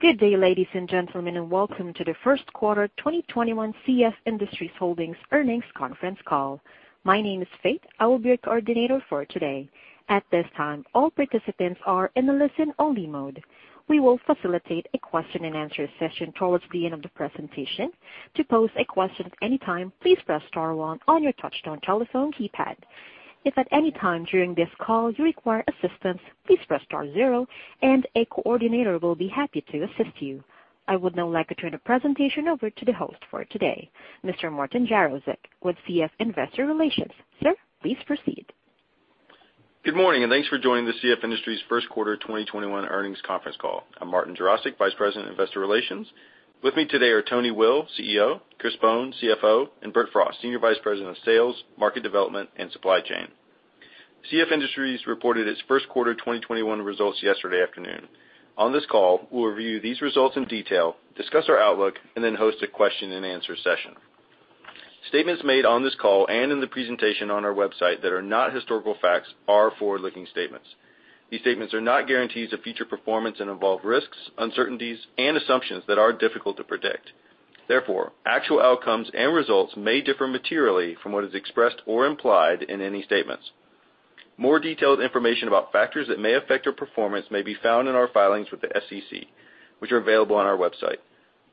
Good day, ladies and gentlemen, and welcome to the first quarter 2021 CF Industries Holdings earnings conference call. My name is Faith. I will be your coordinator for today. At this time, all participants are in a listen-only mode. We will facilitate a question and answer session towards the end of the presentation. To pose a question at any time, please press star one on your touchtone telephone keypad. If at any time during this call you require assistance, please press star zero and a coordinator will be happy to assist you. I would now like to turn the presentation over to the host for today, Mr. Martin Jarosick, with CF Investor Relations. Sir, please proceed. Good morning, and thanks for joining the CF Industries first quarter 2021 earnings conference call. I'm Martin Jarosick, Vice President, Investor Relations. With me today are Tony Will, CEO, Chris Bohn, CFO, and Bert Frost, Senior Vice President of Sales, Market Development, and Supply Chain. CF Industries reported its first quarter 2021 results yesterday afternoon. On this call, we'll review these results in detail, discuss our outlook, and then host a question and answer session. Statements made on this call and in the presentation on our website that are not historical facts are forward-looking statements. These statements are not guarantees of future performance and involve risks, uncertainties, and assumptions that are difficult to predict. Therefore, actual outcomes and results may differ materially from what is expressed or implied in any statements. More detailed information about factors that may affect our performance may be found in our filings with the SEC, which are available on our website.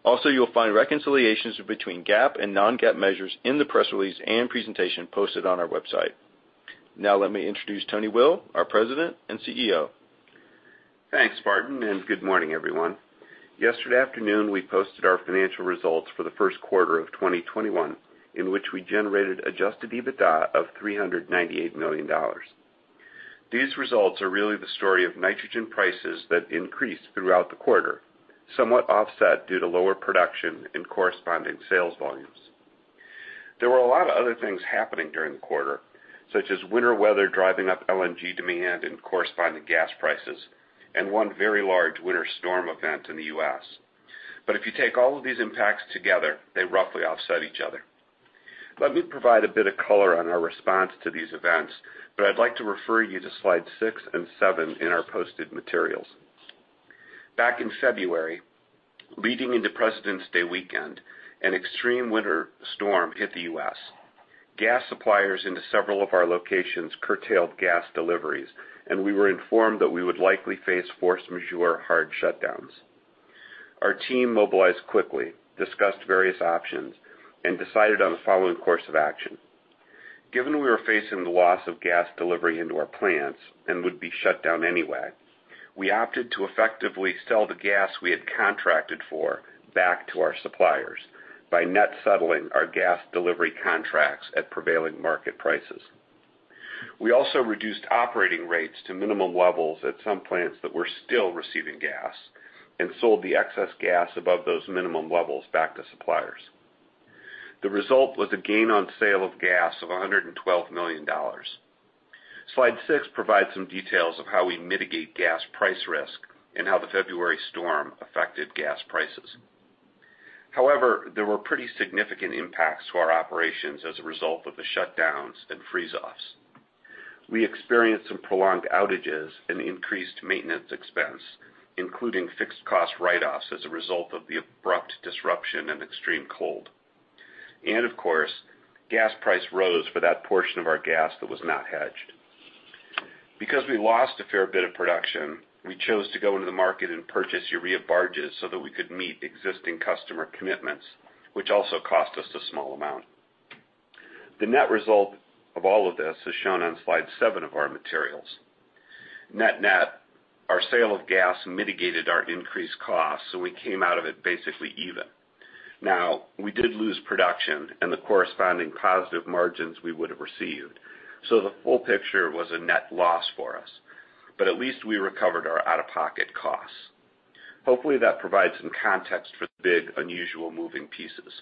Also, you'll find reconciliations between GAAP and non-GAAP measures in the press release and presentation posted on our website. Now let me introduce Tony Will, our President and CEO. Thanks, Martin, and good morning, everyone. Yesterday afternoon, we posted our financial results for the first quarter of 2021, in which we generated adjusted EBITDA of $398 million. These results are really the story of nitrogen prices that increased throughout the quarter, somewhat offset due to lower production and corresponding sales volumes. There were a lot of other things happening during the quarter, such as winter weather driving up LNG demand and corresponding gas prices, and one very large winter storm event in the U.S. If you take all of these impacts together, they roughly offset each other. Let me provide a bit of color on our response to these events, but I'd like to refer you to slides six and seven in our posted materials. Back in February, leading into President's Day weekend, an extreme winter storm hit the U.S. Gas suppliers into several of our locations curtailed gas deliveries, and we were informed that we would likely face force majeure hard shutdowns. Our team mobilized quickly, discussed various options, and decided on the following course of action. Given we were facing the loss of gas delivery into our plants and would be shut down anyway, we opted to effectively sell the gas we had contracted for back to our suppliers by net settling our gas delivery contracts at prevailing market prices. We also reduced operating rates to minimum levels at some plants that were still receiving gas and sold the excess gas above those minimum levels back to suppliers. The result was a gain on sale of gas of $112 million. Slide six provides some details of how we mitigate gas price risk and how the February storm affected gas prices. However, there were pretty significant impacts to our operations as a result of the shutdowns and freeze-offs. We experienced some prolonged outages and increased maintenance expense, including fixed cost write-offs as a result of the abrupt disruption and extreme cold. Of course, gas price rose for that portion of our gas that was not hedged. Because we lost a fair bit of production, we chose to go into the market and purchase barges so that we could meet existing customer commitments, which also cost us a small amount. The net result of all of this is shown on slide seven of our materials. Net-net, our sale of gas mitigated our increased costs, so we came out of it basically even. Now, we did lose production and the corresponding positive margins we would have received, so the full picture was a net loss for us, but at least we recovered our out-of-pocket costs. Hopefully, that provides some context for the big, unusual moving pieces.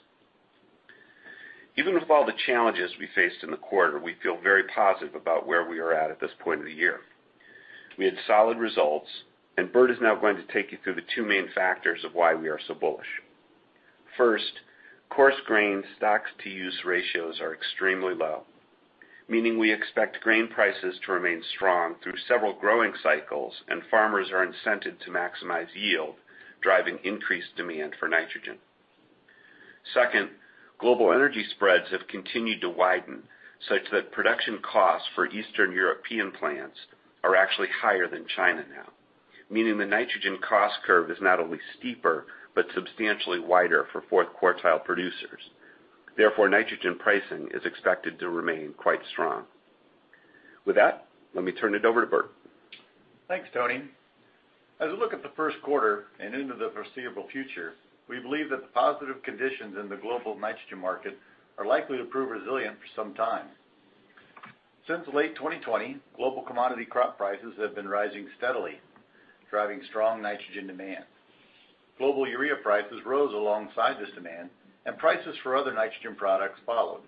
Even with all the challenges we faced in the quarter, we feel very positive about where we are at this point of the year. We had solid results, and Bert is now going to take you through the two main factors of why we are so bullish. First, coarse grain stocks-to-use ratios are extremely low, meaning we expect grain prices to remain strong through several growing cycles, and farmers are incented to maximize yield, driving increased demand for nitrogen. Second, global energy spreads have continued to widen, such that production costs for Eastern European plants are actually higher than China now. Meaning the nitrogen cost curve is not only steeper but substantially wider for fourth-quartile producers. Therefore, nitrogen pricing is expected to remain quite strong. With that, let me turn it over to Bert. Thanks, Tony. As we look at the first quarter and into the foreseeable future, we believe that the positive conditions in the global nitrogen market are likely to prove resilient for some time. Since late 2020, global commodity crop prices have been rising steadily, driving strong nitrogen demand. Global urea prices rose alongside this demand. Prices for other nitrogen products followed.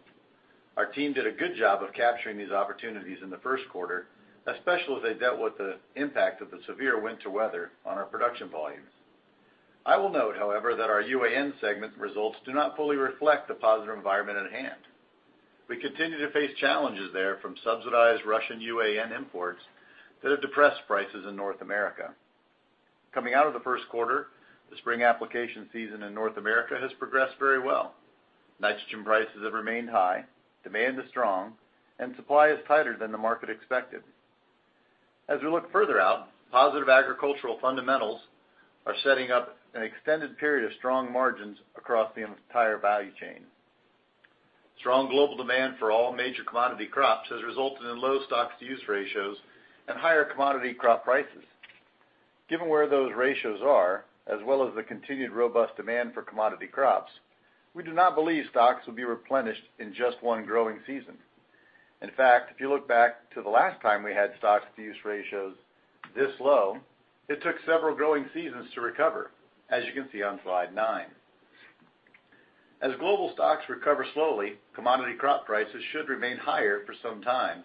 Our team did a good job of capturing these opportunities in the first quarter, especially as they dealt with the impact of the severe winter weather on our production volumes. I will note, however, that our UAN segment results do not fully reflect the positive environment at hand. We continue to face challenges there from subsidized Russian UAN imports that have depressed prices in North America. Coming out of the first quarter, the spring application season in North America has progressed very well. Nitrogen prices have remained high, demand is strong, and supply is tighter than the market expected. As we look further out, positive agricultural fundamentals are setting up an extended period of strong margins across the entire value chain. Strong global demand for all major commodity crops has resulted in low stocks-to-use ratios and higher commodity crop prices. Given where those ratios are, as well as the continued robust demand for commodity crops, we do not believe stocks will be replenished in just one growing season. In fact, if you look back to the last time we had stocks-to-use ratios this low, it took several growing seasons to recover, as you can see on slide nine. As global stocks recover slowly, commodity crop prices should remain higher for some time,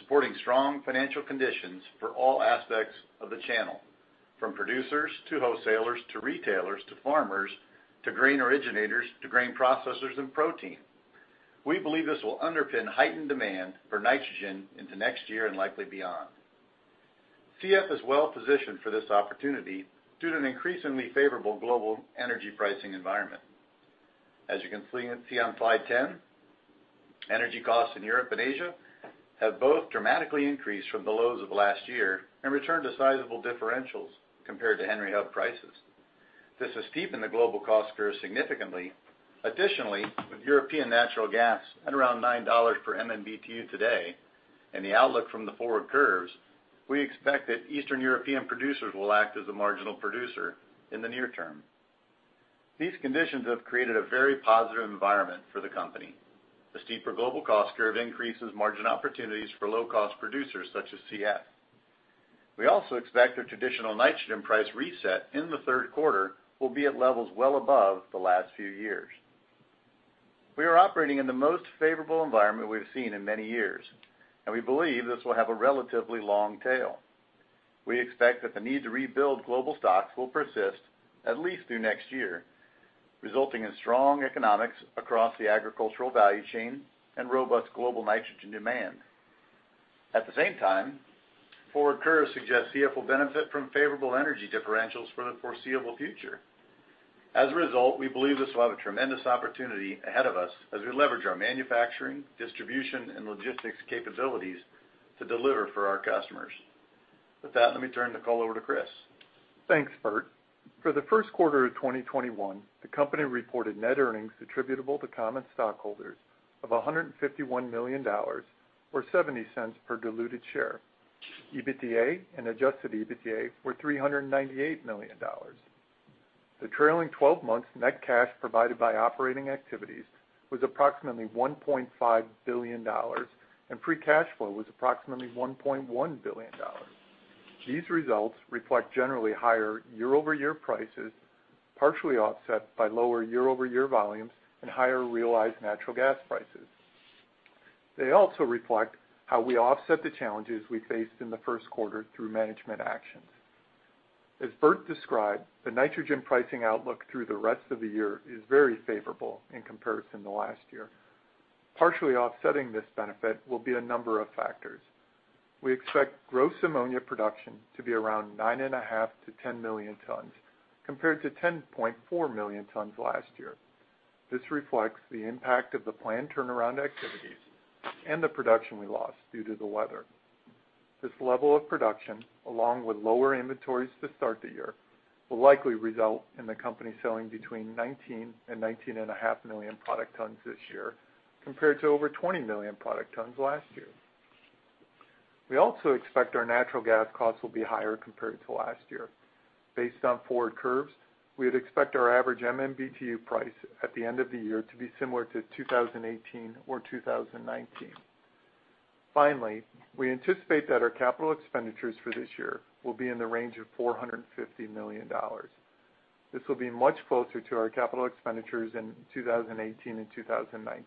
supporting strong financial conditions for all aspects of the channel, from producers to wholesalers to retailers to farmers to grain originators to grain processors and protein. We believe this will underpin heightened demand for nitrogen into next year and likely beyond. CF is well positioned for this opportunity due to an increasingly favorable global energy pricing environment. As you can see on slide 10, energy costs in Europe and Asia have both dramatically increased from the lows of last year and returned to sizable differentials compared to Henry Hub prices. This has deepened the global cost curve significantly. Additionally, with European natural gas at around $9 per MMBtu today and the outlook from the forward curves, we expect that Eastern European producers will act as a marginal producer in the near term. These conditions have created a very positive environment for the company. The steeper global cost curve increases margin opportunities for low-cost producers such as CF. We also expect the traditional nitrogen price reset in the third quarter will be at levels well above the last few years. We are operating in the most favorable environment we've seen in many years, and we believe this will have a relatively long tail. We expect that the need to rebuild global stocks will persist at least through next year, resulting in strong economics across the agricultural value chain and robust global nitrogen demand. At the same time, forward curves suggest CF will benefit from favorable energy differentials for the foreseeable future. As a result, we believe this will have a tremendous opportunity ahead of us as we leverage our manufacturing, distribution, and logistics capabilities to deliver for our customers. With that, let me turn the call over to Chris. Thanks, Bert. For the first quarter of 2021, the company reported net earnings attributable to common stockholders of $151 million, or $0.70 per diluted share. EBITDA and adjusted EBITDA were $398 million. The trailing 12 months net cash provided by operating activities was approximately $1.5 billion, and free cash flow was approximately $1.1 billion. These results reflect generally higher year-over-year prices, partially offset by lower year-over-year volumes and higher realized natural gas prices. They also reflect how we offset the challenges we faced in the first quarter through management actions. As Bert described, the nitrogen pricing outlook through the rest of the year is very favorable in comparison to last year. Partially offsetting this benefit will be a number of factors. We expect gross ammonia production to be around 9.5 million tons-10 million tons, compared to 10.4 million tons last year. This reflects the impact of the planned turnaround activities and the production we lost due to the weather. This level of production, along with lower inventories to start the year, will likely result in the company selling between 19 million and 19.5 million product tons this year, compared to over 20 million product tons last year. We also expect our natural gas costs will be higher compared to last year. Based on forward curves, we would expect our average MMBtu price at the end of the year to be similar to 2018 or 2019. Finally, we anticipate that our capital expenditures for this year will be in the range of $450 million. This will be much closer to our capital expenditures in 2018 and 2019,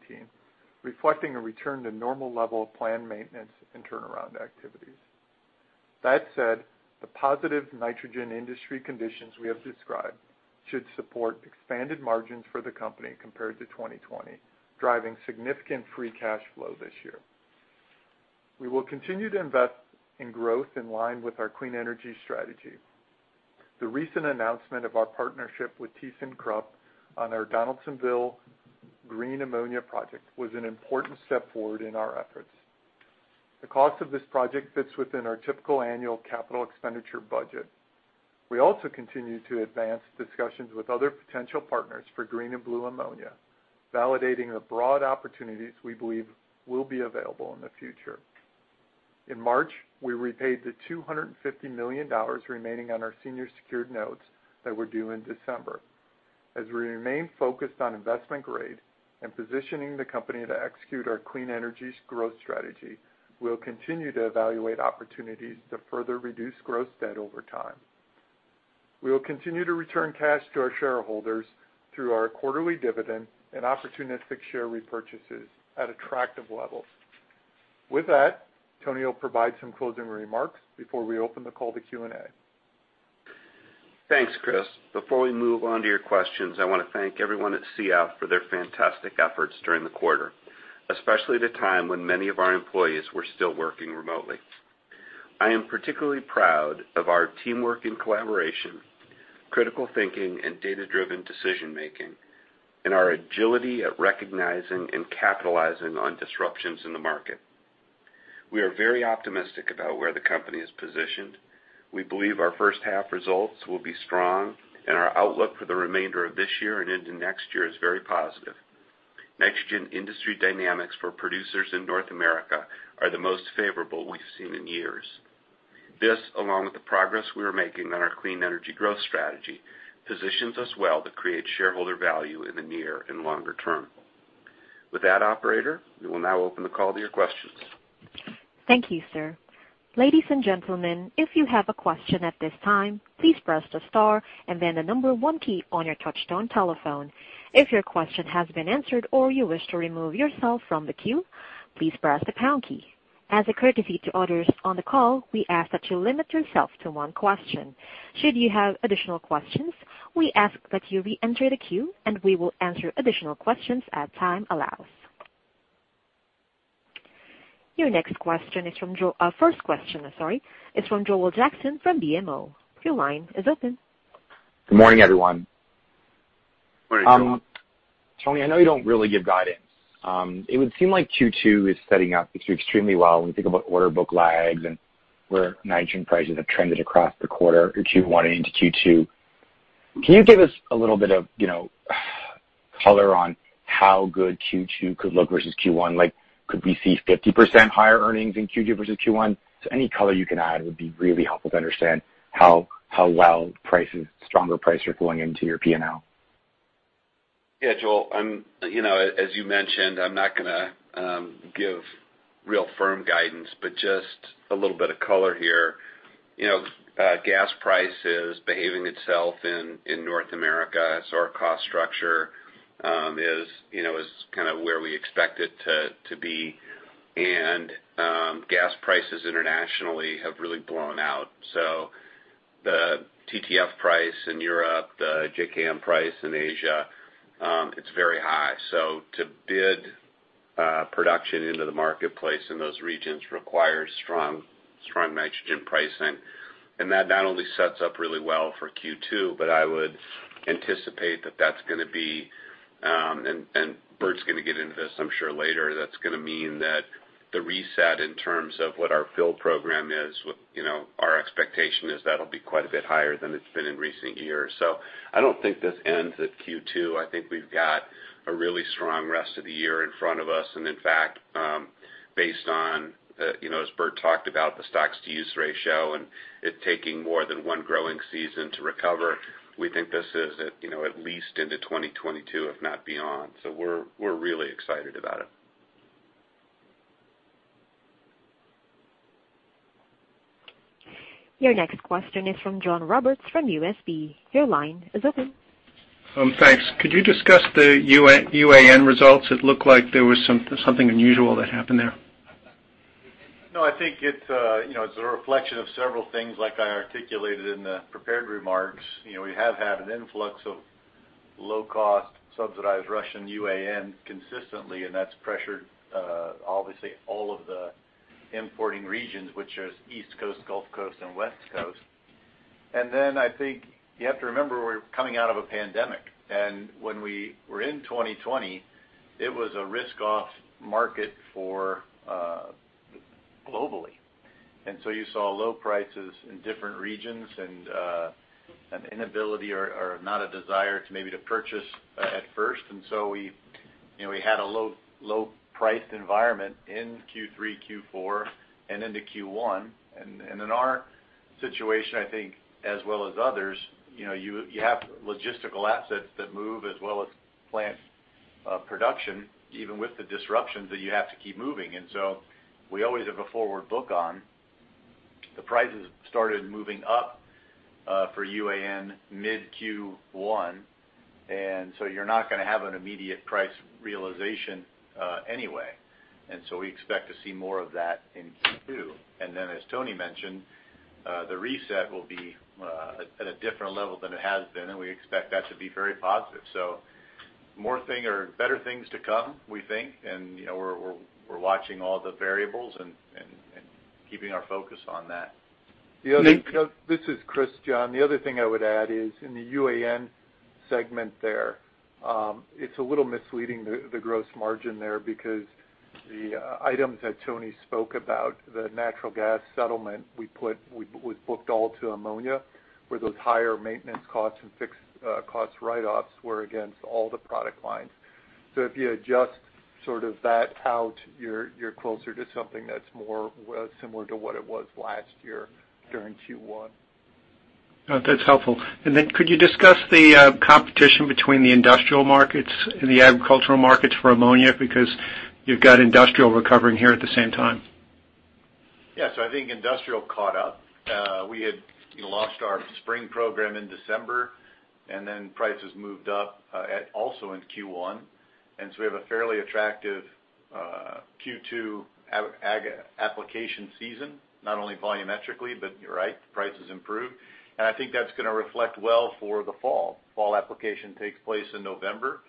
reflecting a return to normal level of planned maintenance and turnaround activities. That said, the positive nitrogen industry conditions we have described should support expanded margins for the company compared to 2020, driving significant free cash flow this year. We will continue to invest in growth in line with our clean energy strategy. The recent announcement of our partnership with thyssenkrupp on our Donaldsonville green ammonia project was an important step forward in our efforts. The cost of this project fits within our typical annual capital expenditure budget. We also continue to advance discussions with other potential partners for green and blue ammonia, validating the broad opportunities we believe will be available in the future. In March, we repaid the $250 million remaining on our senior secured notes that were due in December. As we remain focused on investment grade and positioning the company to execute our clean energies growth strategy, we will continue to evaluate opportunities to further reduce gross debt over time. We will continue to return cash to our shareholders through our quarterly dividend and opportunistic share repurchases at attractive levels. With that, Tony will provide some closing remarks before we open the call to Q&A. Thanks, Chris. Before we move on to your questions, I want to thank everyone at CF for their fantastic efforts during the quarter, especially at a time when many of our employees were still working remotely. I am particularly proud of our teamwork and collaboration, critical thinking and data-driven decision-making, and our agility at recognizing and capitalizing on disruptions in the market. We are very optimistic about where the company is positioned. We believe our first half results will be strong, and our outlook for the remainder of this year and into next year is very positive. Nitrogen industry dynamics for producers in North America are the most favorable we've seen in years. This, along with the progress we are making on our clean energy growth strategy, positions us well to create shareholder value in the near and longer term. With that, operator, we will now open the call to your questions. Thank you, sir. Ladies and gentlemen, if you have a question at this time, please press the star and then the number one key on your touch-tone telephone. If your question has been answered or you wish to remove yourself from the queue, please press the pound key. As a courtesy to others on the call, we ask that you limit yourself to one question. Should you have additional questions, we ask that you reenter the queue, and we will answer additional questions as time allows. Our first question is from Joel Jackson from BMO. Your line is open. Good morning, everyone. Morning, Joel. Tony, I know you don't really give guidance. It would seem like Q2 is setting up to do extremely well when we think about order book lags and where nitrogen prices have trended across the quarter or Q1 into Q2. Can you give us a little bit of color on how good Q2 could look versus Q1? Could we see 50% higher earnings in Q2 versus Q1? Any color you can add would be really helpful to understand how well stronger prices are going into your P&L. Yeah, Joel, as you mentioned, I'm not going to give real firm guidance, but just a little bit of color here. Gas price is behaving itself in North America, our cost structure is where we expect it to be. Gas prices internationally have really blown out. The TTF price in Europe, the JKM price in Asia, it's very high. To bid production into the marketplace in those regions requires strong nitrogen pricing. That not only sets up really well for Q2, but I would anticipate that's going to be, and Bert's going to get into this, I'm sure, later, that's going to mean that the reset in terms of what our build program is, our expectation is that'll be quite a bit higher than it's been in recent years. I don't think this ends at Q2. I think we've got a really strong rest of the year in front of us, and in fact based on, as Bert talked about, the stocks-to-use ratio, and it taking more than one growing season to recover, we think this is at least into 2022, if not beyond. We're really excited about it. Your next question is from John Roberts from UBS. Your line is open. Thanks. Could you discuss the UAN results? It looked like there was something unusual that happened there. I think it's a reflection of several things I articulated in the prepared remarks. We have had an influx of low-cost subsidized Russian UAN consistently, that's pressured obviously all of the importing regions, which is East Coast, Gulf Coast, and West Coast. I think you have to remember, we're coming out of a pandemic, and when we were in 2020, it was a risk-off market globally. You saw low prices in different regions and an inability or not a desire to maybe to purchase at first, and so we had a low price environment in Q3, Q4, and into Q1. In our situation, I think, as well as others, you have logistical assets that move as well as plant production, even with the disruptions that you have to keep moving. We always have a forward book on. The prices started moving up for UAN mid Q1, and so you're not going to have an immediate price realization anyway. We expect to see more of that in Q2. Then as Tony mentioned, the reset will be at a different level than it has been, and we expect that to be very positive. Better things to come, we think, and we're watching all the variables and keeping our focus on that. This is Chris, John. The other thing I would add is in the UAN segment there, it's a little misleading, the gross margin there, because the items that Tony spoke about, the natural gas settlement, was booked all to Ammonia, where those higher maintenance costs and fixed cost write-offs were against all the product lines. If you adjust that out, you're closer to something that's more similar to what it was last year during Q1. That's helpful. Could you discuss the competition between the industrial markets and the agricultural markets for ammonia? You've got industrial recovering here at the same time. I think industrial caught up. We had lost our spring program in December, prices moved up also in Q1. We have a fairly attractive Q2 ag application season, not only volumetrically, but you're right, prices improved. I think that's going to reflect well for the fall. Fall application takes place in November,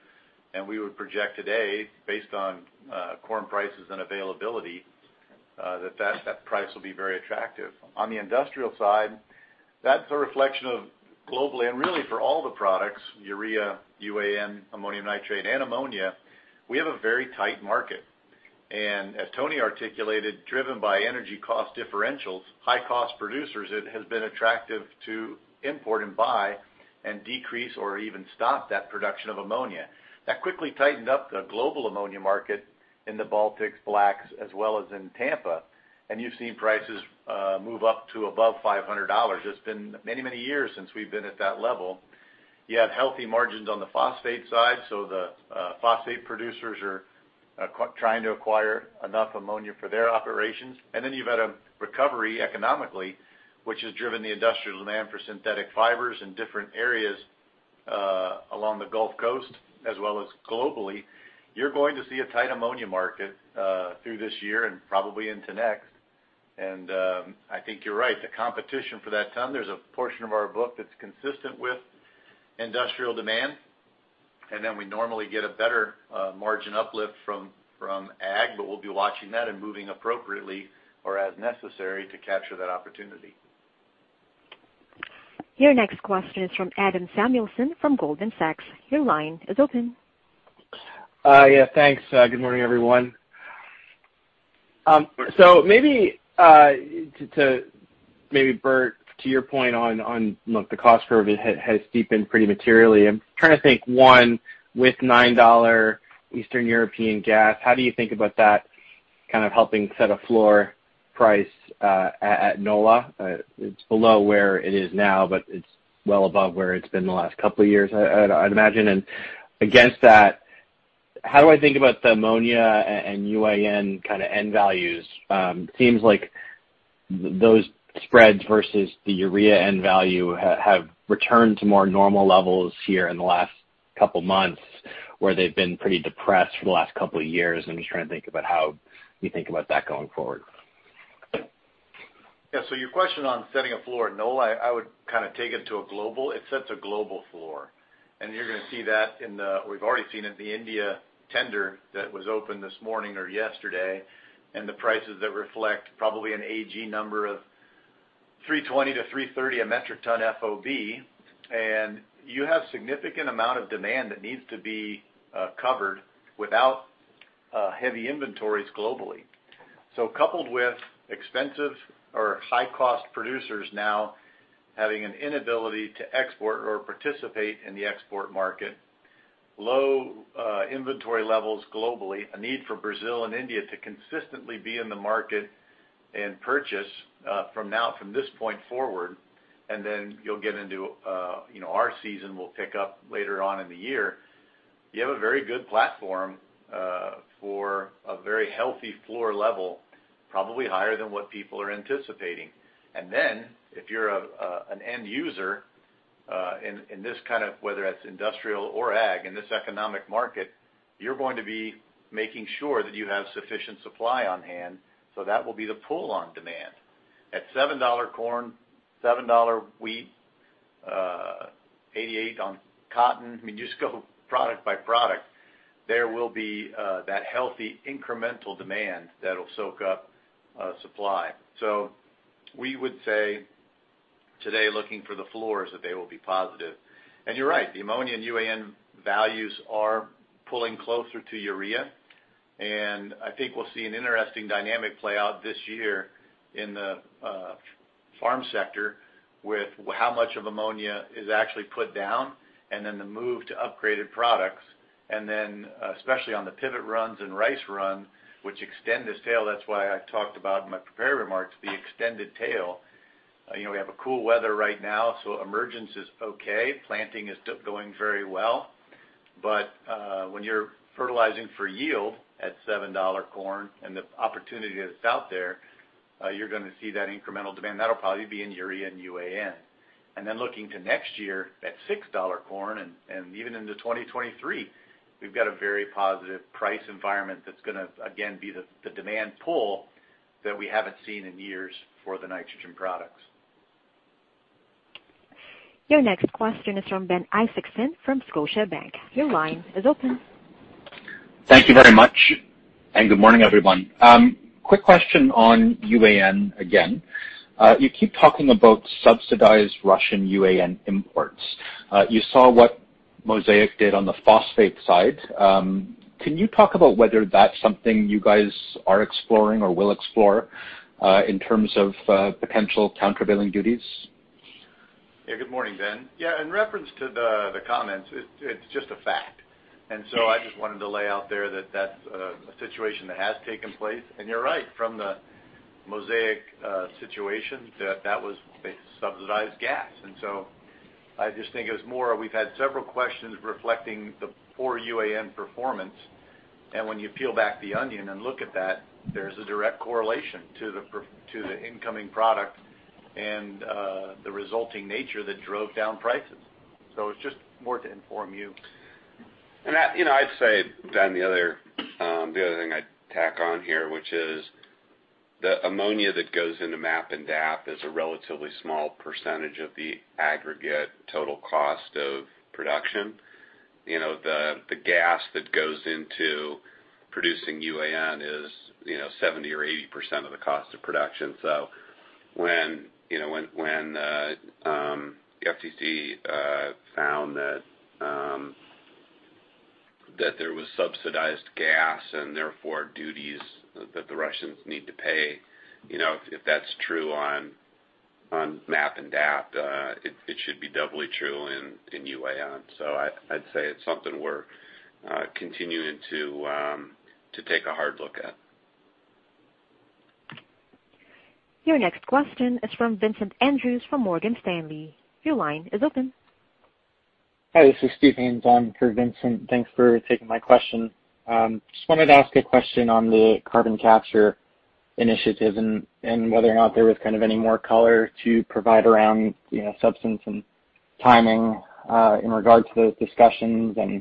we would project today based on corn prices and availability, that price will be very attractive. On the industrial side, that's a reflection of globally and really for all the products, Urea, UAN, ammonium nitrate, and Ammonia, we have a very tight market. As Tony articulated, driven by energy cost differentials, high cost producers, it has been attractive to import and buy and decrease or even stop that production of Ammonia. That quickly tightened up the global Ammonia market in the Baltics, Black, as well as in Tampa. You've seen prices move up to above $500. It's been many years since we've been at that level. You have healthy margins on the phosphate side, so the phosphate producers are trying to acquire enough ammonia for their operations. Then you've had a recovery economically, which has driven the industrial demand for synthetic fibers in different areas along the Gulf Coast as well as globally. You're going to see a tight ammonia market through this year and probably into next. I think you're right. The competition for that ton, there's a portion of our book that's consistent with industrial demand, and then we normally get a better margin uplift from ag, but we'll be watching that and moving appropriately or as necessary to capture that opportunity. Your next question is from Adam Samuelson from Goldman Sachs. Your line is open. Yeah, thanks. Good morning, everyone. Maybe, Bert, to your point on the cost curve has steepened pretty materially. I'm trying to think, one, with $9 Eastern European gas, how do you think about that kind of helping set a floor price at NOLA? It's below where it is now, but it's well above where it's been the last couple of years, I'd imagine. Against that, how do I think about the ammonia and UAN kind of end values? Seems like those spreads versus the urea end value have returned to more normal levels here in the last couple of months, where they've been pretty depressed for the last couple of years. I'm just trying to think about how you think about that going forward. Your question on setting a floor at NOLA, I would kind of take it to a global. It sets a global floor. You're going to see that we've already seen it, the India tender that was open this morning or yesterday, and the prices that reflect probably an AG number of $320-$330 a metric ton FOB. You have significant amount of demand that needs to be covered without heavy inventories globally. Coupled with expensive or high cost producers now having an inability to export or participate in the export market, low inventory levels globally, a need for Brazil and India to consistently be in the market and purchase from this point forward, you'll get into our season will pick up later on in the year. You have a very good platform for a very healthy floor level, probably higher than what people are anticipating. If you're an end user in this kind of, whether that's industrial or ag, in this economic market, you're going to be making sure that you have sufficient supply on hand. That will be the pull on demand. At $7 corn, $7 wheat, $88 on cotton, you just go product by product, there will be that healthy incremental demand that'll soak up supply. We would say today looking for the floors, that they will be positive. You're right, the ammonia and UAN values are pulling closer to urea. I think we'll see an interesting dynamic play out this year in the farm sector with how much of ammonia is actually put down and then the move to upgraded products. Especially on the pivot runs and rice runs, which extend this tail, that's why I talked about in my prepared remarks, the extended tail. We have a cool weather right now, so emergence is okay. Planting is going very well. But when you're fertilizing for yield at $7 corn and the opportunity that's out there, you're going to see that incremental demand. That'll probably be in Urea and UAN. Then looking to next year at $6 corn and even into 2023, we've got a very positive price environment that's going to again be the demand pull that we haven't seen in years for the nitrogen products. Your next question is from Ben Isaacson from Scotiabank. Your line is open. Thank you very much, and good morning, everyone. Quick question on UAN again. You keep talking about subsidized Russian UAN imports. You saw what Mosaic did on the phosphate side. Can you talk about whether that's something you guys are exploring or will explore in terms of potential countervailing duties? Yeah. Good morning, Ben. Yeah, in reference to the comments, it's just a fact. I just wanted to lay out there that that's a situation that has taken place. You're right, from the Mosaic situation, that was subsidized gas. I just think it was more, we've had several questions reflecting the poor UAN performance. When you peel back the onion and look at that, there's a direct correlation to the incoming product and the resulting nature that drove down prices. It's just more to inform you. I'd say, Ben, the other thing I'd tack on here, which is the ammonia that goes into MAP and DAP is a relatively small percentage of the aggregate total cost of production. The gas that goes into producing UAN is 70% or 80% of the cost of production. When the ITC found that there was subsidized gas and therefore duties that Russia need to pay. If that's true on MAP and DAP, it should be doubly true in UAN. I'd say it's something we're continuing to take a hard look at. Your next question is from Vincent Andrews from Morgan Stanley. Your line is open. Hi, this is Steven on for Vincent. Thanks for taking my question. Just wanted to ask a question on the carbon capture initiative and whether or not there was kind of any more color to provide around substance and timing, in regards to those discussions and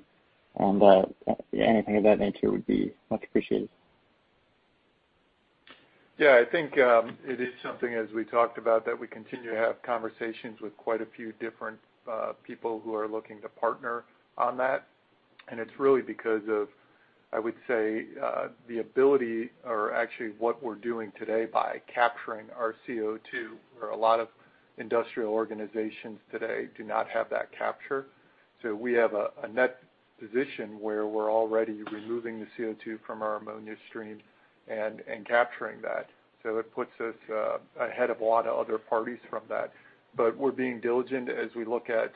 anything of that nature would be much appreciated. Yeah, I think it is something as we talked about that we continue to have conversations with quite a few different people who are looking to partner on that. It's really because of, I would say, the ability or actually what we're doing today by capturing our CO2, where a lot of industrial organizations today do not have that capture. We have a net position where we're already removing the CO2 from our ammonia stream and capturing that. It puts us ahead of a lot of other parties from that. We're being diligent as we look at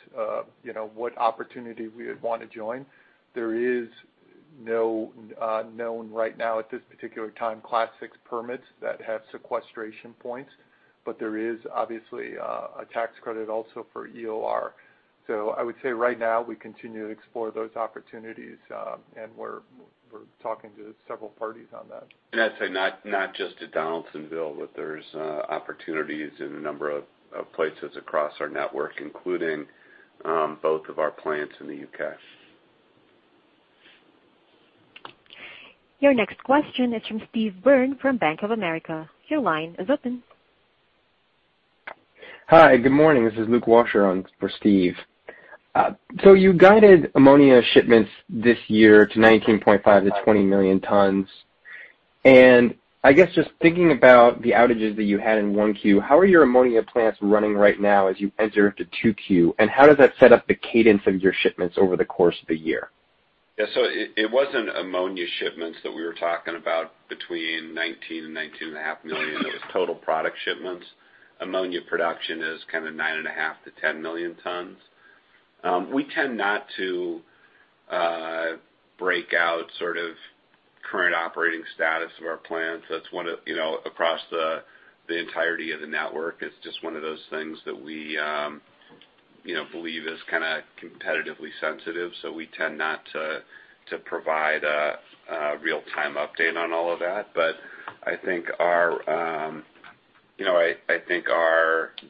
what opportunity we would want to join. There is no known right now at this particular time, Class permits that have sequestration points. There is obviously a tax credit also for EOR. I would say right now we continue to explore those opportunities, and we're talking to several parties on that. I'd say not just at Donaldsonville, but there's opportunities in a number of places across our network, including both of our plants in the U.K. Your next question is from Steve Byrne from Bank of America. Your line is open. Hi, good morning. This is Luke Washer on for Steve. You guided ammonia shipments this year to 19.5 million tons-20 million tons. I guess just thinking about the outages that you had in 1Q, how are your ammonia plants running right now as you enter into 2Q, and how does that set up the cadence of your shipments over the course of the year? Yeah. It wasn't ammonia shipments that we were talking about between 19 million and 19.5 million. It was total product shipments. Ammonia production is kind of 9.5 million tons-10 million tons. We tend not to break out sort of current operating status of our plants. That's across the entirety of the network. It's just one of those things that we believe is kind of competitively sensitive. We tend not to provide a real-time update on all of that. I think our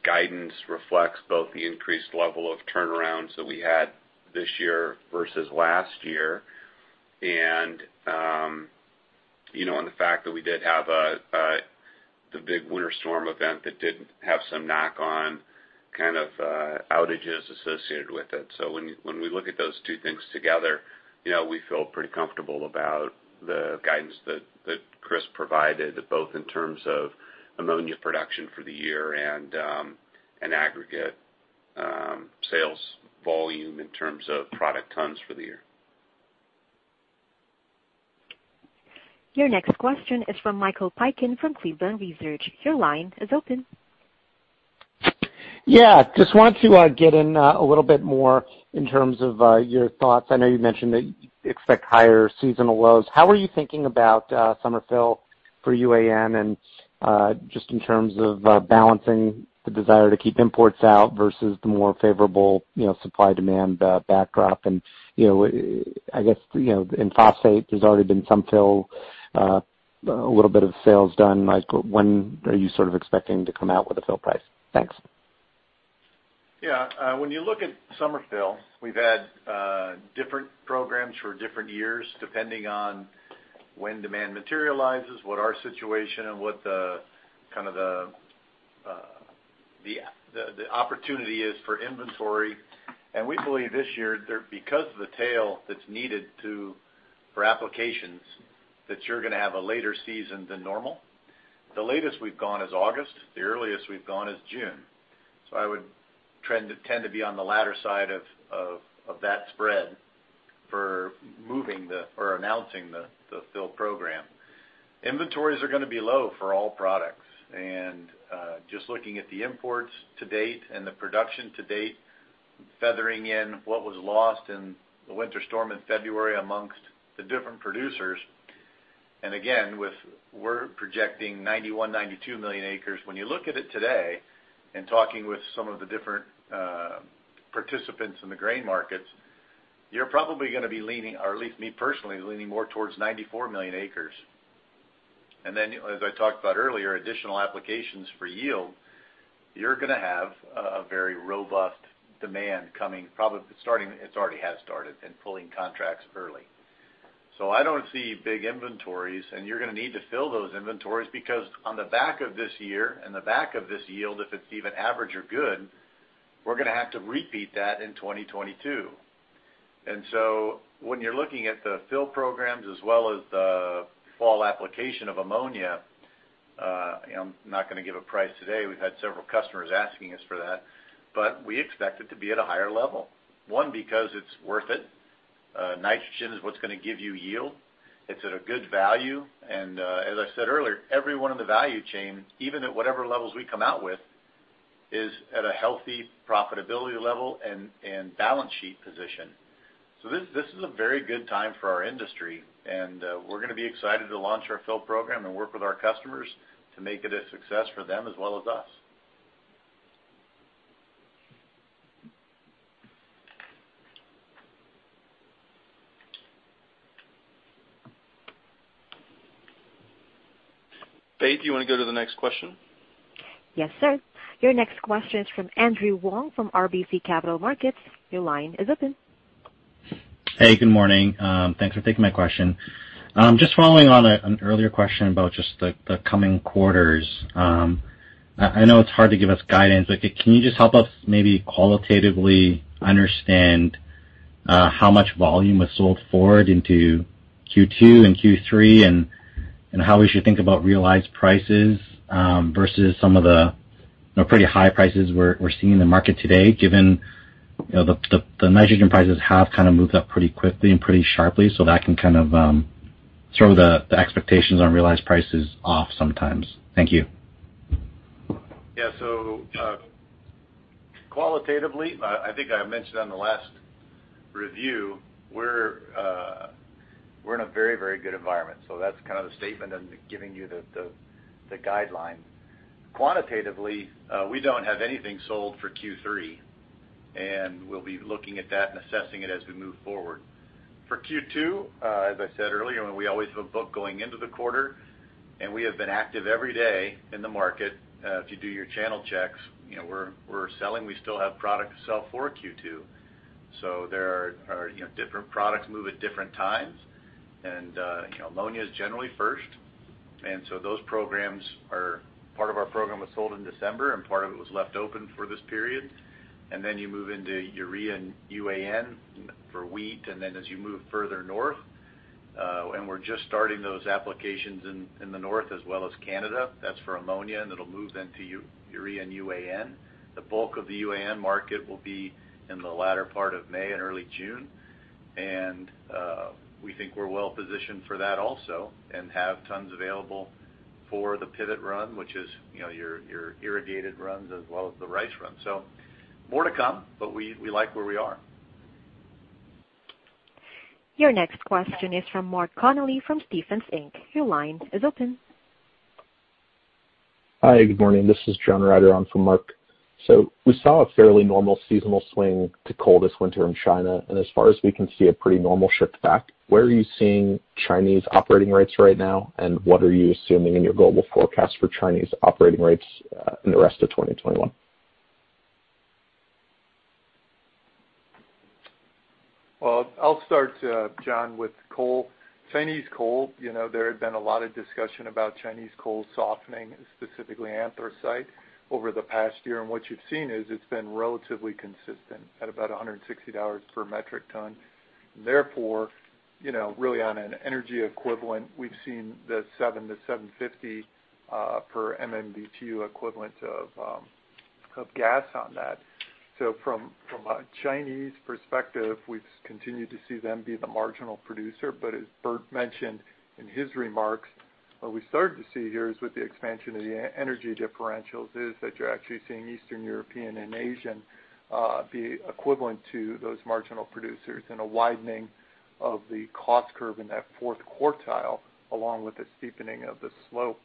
guidance reflects both the increased level of turnarounds that we had this year versus last year. The fact that we did have the big winter storm event that did have some knock-on kind of outages associated with it. When we look at those two things together, we feel pretty comfortable about the guidance that Chris provided, both in terms of ammonia production for the year and aggregate sales volume in terms of product tons for the year. Your next question is from Michael Piken from Cleveland Research. Your line is open. Yeah. Just wanted to get in a little bit more in terms of your thoughts. I know you mentioned that you expect higher seasonal lows. How are you thinking about summer fill for UAN and just in terms of balancing the desire to keep imports out versus the more favorable supply-demand backdrop? I guess in phosphate, there's already been some fill, a little bit of sales done. Michael, when are you sort of expecting to come out with a fill price? Thanks. Yeah. When you look at summer fill, we've had different programs for different years depending on when demand materializes, what our situation and what the opportunity is for inventory. We believe this year, because of the tail that's needed for applications, that you're going to have a later season than normal. The latest we've gone is August, the earliest we've gone is June. I would tend to be on the latter side of that spread for announcing the fill program. Inventories are going to be low for all products. Just looking at the imports to date and the production to date, feathering in what was lost in the winter storm in February amongst the different producers. Again, we're projecting 91 million, 92 million acres. When you look at it today, and talking with some of the different participants in the grain markets, you're probably going to be leaning, or at least me personally, leaning more towards 94 million acres. Then as I talked about earlier, additional applications for yield, you're going to have a very robust demand coming, it already has started, and pulling contracts early. I don't see big inventories, and you're going to need to fill those inventories because on the back of this year and the back of this yield, if it's even average or good, we're going to have to repeat that in 2022. When you're looking at the fill programs as well as the fall application of ammonia, I'm not going to give a price today. We've had several customers asking us for that. We expect it to be at a higher level. One, because it's worth it. Nitrogen is what's going to give you yield. It's at a good value. As I said earlier, everyone in the value chain, even at whatever levels we come out with, is at a healthy profitability level and balance sheet position. This is a very good time for our industry, and we're going to be excited to launch our fill program and work with our customers to make it a success for them as well as us. Faith, do you want to go to the next question? Yes, sir. Your next question is from Andrew Wong from RBC Capital Markets. Your line is open. Hey, good morning. Thanks for taking my question. Just following on an earlier question about just the coming quarters. I know it's hard to give us guidance, but can you just help us maybe qualitatively understand how much volume was sold forward into Q2 and Q3, and how we should think about realized prices versus some of the pretty high prices we're seeing in the market today, given the nitrogen prices have kind of moved up pretty quickly and pretty sharply, so that can kind of throw the expectations on realized prices off sometimes. Thank you. Yeah. Qualitatively, I think I mentioned on the last review, we're in a very good environment. That's kind of the statement and giving you the guideline. Quantitatively, we don't have anything sold for Q3, and we'll be looking at that and assessing it as we move forward. For Q2, as I said earlier, we always have a book going into the quarter, and we have been active every day in the market. If you do your channel checks, we're selling. We still have product to sell for Q2. Different products move at different times and ammonia is generally first, part of our program was sold in December and part of it was left open for this period. You move into urea and UAN for wheat, as you move further north. We're just starting those applications in the north as well as Canada. That's for ammonia, and it'll move then to urea and UAN. The bulk of the UAN market will be in the latter part of May and early June. We think we're well positioned for that also and have tons available for the pivot run, which is your irrigated runs as well as the rice runs. More to come, but we like where we are. Your next question is from Mark Connelly from Stephens Inc. Your line is open. Hi, good morning. This is John Ryder on for Mark. We saw a fairly normal seasonal swing to coal this winter in China, and as far as we can see, a pretty normal shift back. Where are you seeing Chinese operating rates right now, and what are you assuming in your global forecast for Chinese operating rates in the rest of 2021? I'll start, John, with coal. Chinese coal. There had been a lot of discussion about Chinese coal softening, specifically anthracite, over the past year. What you've seen is it's been relatively consistent at about $160 per metric ton. Therefore, really on an energy equivalent, we've seen the $7-$750 per MMBtu equivalent of gas on that. From a Chinese perspective, we've continued to see them be the marginal producer. As Bert mentioned in his remarks, what we started to see here is with the expansion of the energy differentials is that you're actually seeing Eastern European and Asian be equivalent to those marginal producers and a widening of the cost curve in that fourth quartile, along with a steepening of the slope.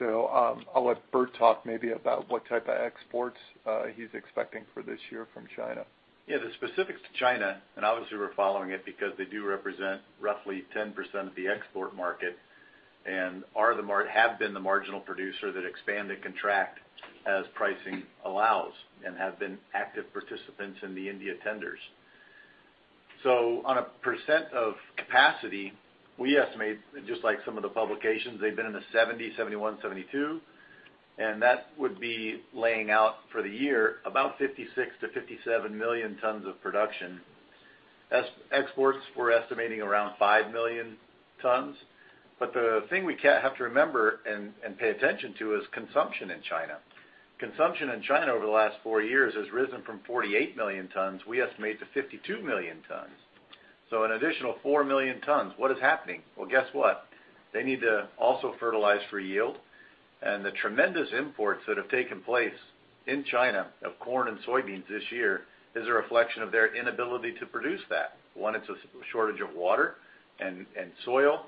I'll let Bert talk maybe about what type of exports he's expecting for this year from China. The specifics to China, obviously we're following it because they do represent roughly 10% of the export market and have been the marginal producer that expand and contract as pricing allows and have been active participants in the India tenders. On a percent of capacity, we estimate, just like some of the publications, they've been in the 70%, 71%, 72%, and that would be laying out for the year about 56 million-57 million tons of production. Exports, we're estimating around 5 million tons. The thing we have to remember and pay attention to is consumption in China. Consumption in China over the last four years has risen from 48 million tons, we estimate, to 52 million tons. An additional 4 million tons. What is happening? Well, guess what? They need to also fertilize for yield. The tremendous imports that have taken place in China of corn and soybeans this year is a reflection of their inability to produce that. One, it's a shortage of water and soil.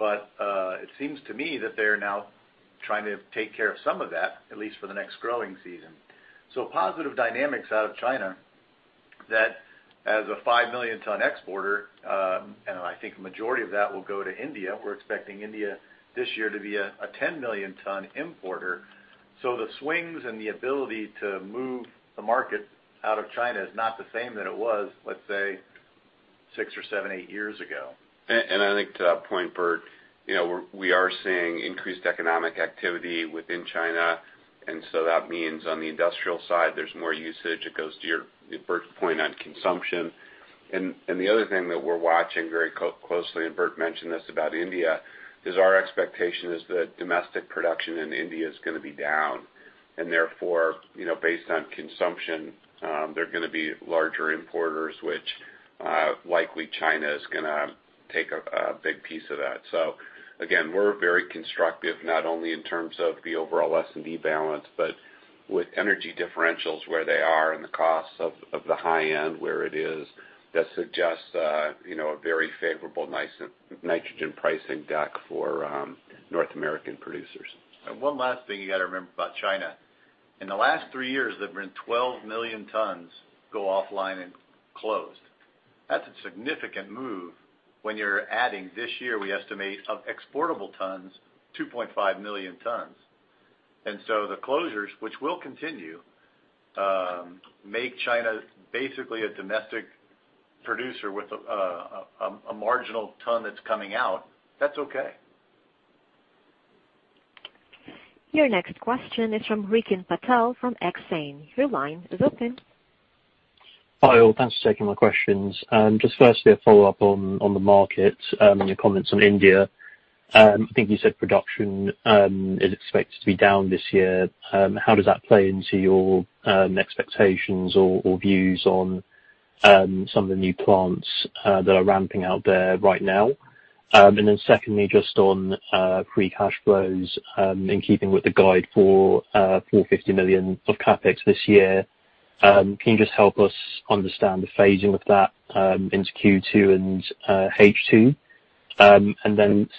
It seems to me that they are now trying to take care of some of that, at least for the next growing season. Positive dynamics out of China that as a 5 million ton exporter, and I think a majority of that will go to India. We're expecting India this year to be a 10 million ton importer. The swings and the ability to move the market out of China is not the same that it was, let's say, six or seven, eight years ago. I think to that point, Bert, we are seeing increased economic activity within China, so that means on the industrial side, there's more usage. It goes to your, Bert's point on consumption. The other thing that we're watching very closely, and Bert mentioned this about India, is our expectation is that domestic production in India is going to be down. Therefore, based on consumption, they're going to be larger importers, which likely China is going to take a big piece of that. Again, we're very constructive, not only in terms of the overall S&D balance, but with energy differentials where they are and the costs of the high end where it is, that suggests a very favorable nitrogen pricing deck for North American producers. One last thing you got to remember about China. In the last three years, there have been 12 million tons go offline and closed. That's a significant move when you're adding this year, we estimate of exportable tons 2.5 million tons. The closures, which will continue, make China basically a domestic producer with a marginal ton that's coming out. That's okay. Your next question is from Rikin Patel from Exane. Your line is open. Hi, all. Thanks for taking my questions. Just firstly, a follow-up on the market, on your comments on India. I think you said production is expected to be down this year. How does that play into your expectations or views on some of the new plants that are ramping out there right now? Secondly, just on free cash flows in keeping with the guide for $450 million of CapEx this year. Can you just help us understand the phasing of that into Q2 and H2?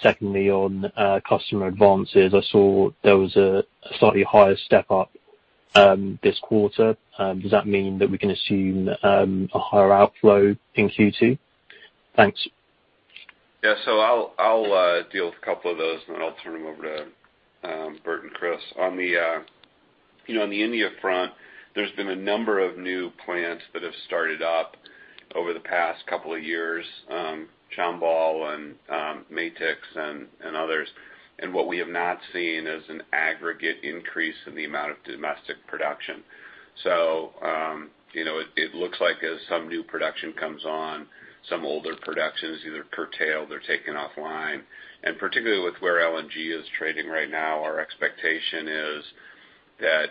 Secondly, on customer advances, I saw there was a slightly higher step up this quarter. Does that mean that we can assume a higher outflow in Q2? Thanks. Yeah. I'll deal with a couple of those, then I'll turn them over to Bert and Chris. On the India front, there's been a number of new plants that have started up over the past couple of years, Chambal and Matix and others. What we have not seen is an aggregate increase in the amount of domestic production. It looks like as some new production comes on, some older production is either curtailed or taken offline. Particularly with where LNG is trading right now, our expectation is that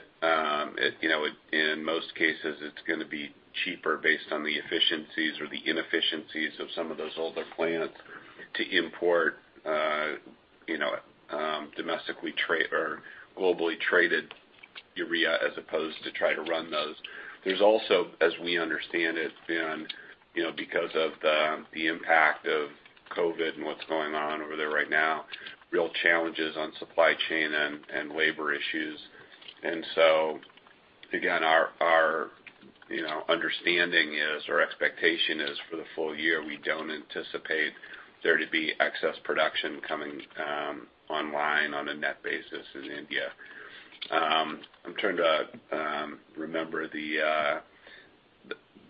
in most cases, it's going to be cheaper based on the efficiencies or the inefficiencies of some of those older plants to import domestically or globally traded urea as opposed to try to run those. There's also, as we understand it, been because of the impact of COVID and what's going on over there right now, real challenges on supply chain and labor issues. Again, our understanding is or expectation is for the full year, we don't anticipate there to be excess production coming online on a net basis in India. I'm trying to remember the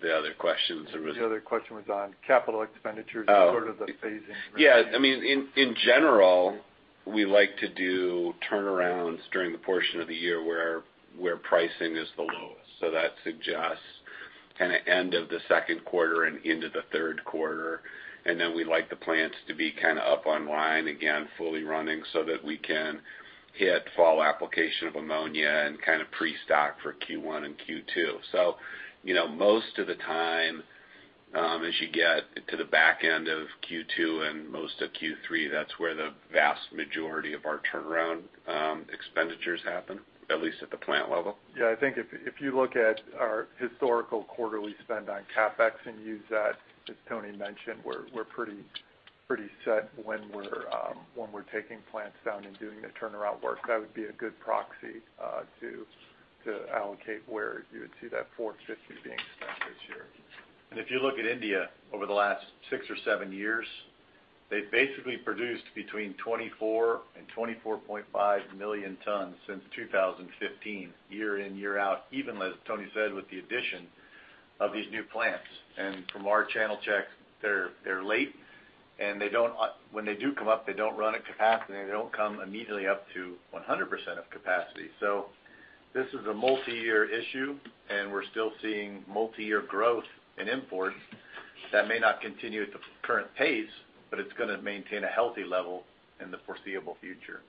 other questions. The other question was on capital expenditures and sort of the phasing. Yeah. In general, we like to do turnarounds during the portion of the year where pricing is the lowest. That suggests kind of end of the second quarter and into the third quarter. We like the plants to be up online, again, fully running so that we can hit fall application of ammonia and pre-stock for Q1 and Q2. Most of the time, as you get to the back end of Q2 and most of Q3, that's where the vast majority of our turnaround expenditures happen, at least at the plant level. I think if you look at our historical quarterly spend on CapEx and use that, as Tony mentioned, we're pretty set when we're taking plants down and doing the turnaround work. That would be a good proxy to allocate where you would see that $450 being spent this year. If you look at India over the last six or seven years, they've basically produced between 24 million and 24.5 million tons since 2015, year in, year out, even though as Tony said, with the addition of these new plants. From our channel check, they're late, and when they do come up, they don't run at capacity. They don't come immediately up to 100% of capacity. This is a multi-year issue, and we're still seeing multi-year growth in imports that may not continue at the current pace, but it's going to maintain a healthy level in the foreseeable future.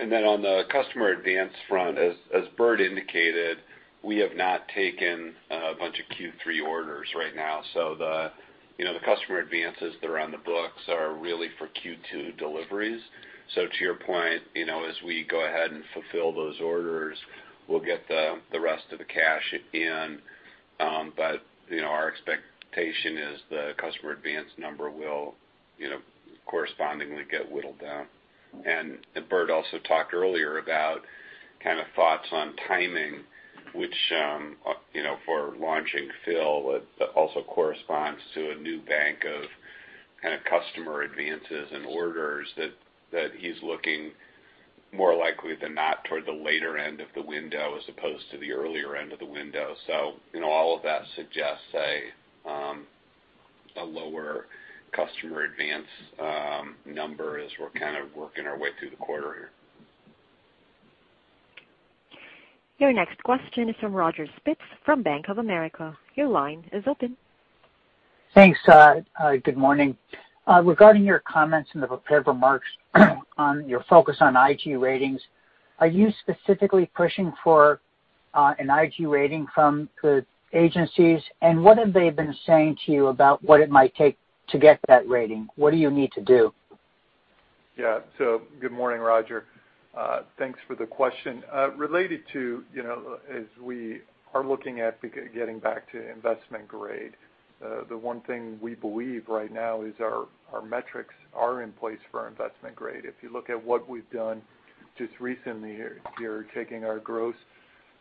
On the customer advance front, as Bert indicated. We have not taken a bunch of Q3 orders right now. The customer advances that are on the books are really for Q2 deliveries. To your point, as we go ahead and fulfill those orders, we'll get the rest of the cash in. Our expectation is the customer advance number will correspondingly get whittled down. Bert also talked earlier about kind of thoughts on timing, which for launching fill, it also corresponds to a new bank of kind of customer advances and orders that he's looking more likely than not toward the later end of the window as opposed to the earlier end of the window. All of that suggests a lower customer advance number as we're kind of working our way through the quarter here. Your next question is from Roger Spitz from Bank of America. Your line is open. Thanks. Good morning. Regarding your comments in the prepared remarks on your focus on IG ratings, are you specifically pushing for an IG rating from the agencies? What have they been saying to you about what it might take to get that rating? What do you need to do? Good morning, Roger. Thanks for the question. Related to, as we are looking at getting back to investment grade, the one thing we believe right now is our metrics are in place for our investment grade. If you look at what we've done just recently here, taking our gross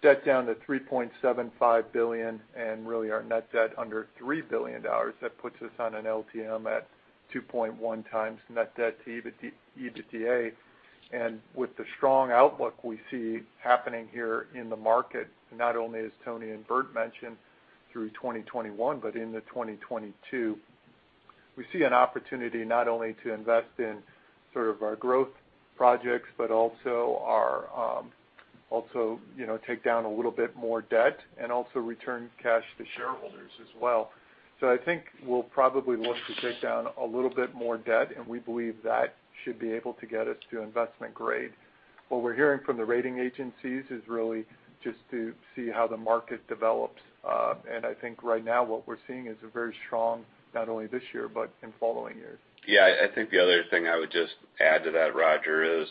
debt down to $3.75 billion and really our net debt under $3 billion, that puts us on an LTM at 2.1x net debt to EBITDA. With the strong outlook we see happening here in the market, not only as Tony and Bert mentioned through 2021, but into 2022, we see an opportunity not only to invest in sort of our growth projects, but also take down a little bit more debt and also return cash to shareholders as well. I think we'll probably look to take down a little bit more debt, and we believe that should be able to get us to investment grade. What we're hearing from the rating agencies is really just to see how the market develops. I think right now what we're seeing is very strong, not only this year, but in following years. Yeah, I think the other thing I would just add to that, Roger, is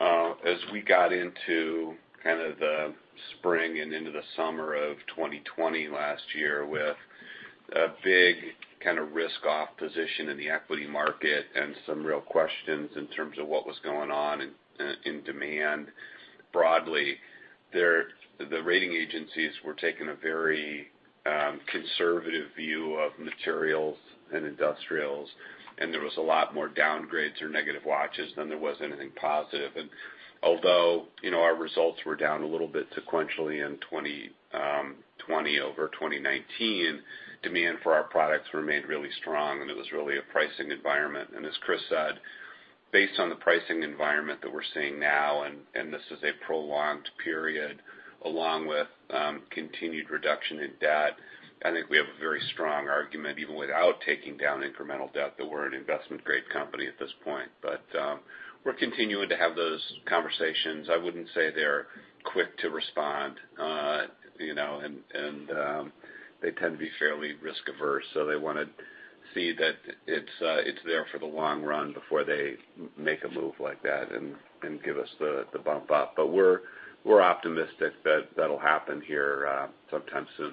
as we got into kind of the spring and into the summer of 2020 last year with a big kind of risk off position in the equity market and some real questions in terms of what was going on in demand broadly, the rating agencies were taking a very conservative view of materials and industrials, and there was a lot more downgrades or negative watches than there was anything positive. Although our results were down a little bit sequentially in 2020, over 2019, demand for our products remained really strong, and it was really a pricing environment. As Chris said, based on the pricing environment that we're seeing now, and this is a prolonged period along with continued reduction in debt, I think we have a very strong argument even without taking down incremental debt that we're an investment grade company at this point. We're continuing to have those conversations. I wouldn't say they're quick to respond, and they tend to be fairly risk averse, so they want to see that it's there for the long run before they make a move like that and give us the bump up. We're optimistic that that'll happen here sometime soon.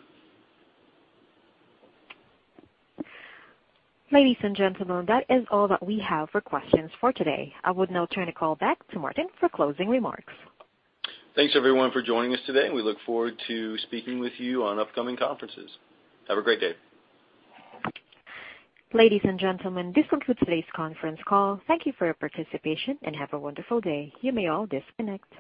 Ladies and gentlemen, that is all that we have for questions for today. I would now turn the call back to Martin for closing remarks. Thanks everyone for joining us today, and we look forward to speaking with you on upcoming conferences. Have a great day. Ladies and gentlemen, this concludes today's conference call. Thank you for your participation, and have a wonderful day. You may all disconnect.